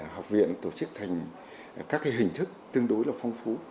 học viện tổ chức thành các hình thức tương đối là phong phú